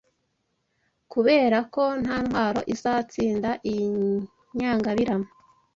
Kubera ko nta ntwaro izatsinda iyi nyangabirama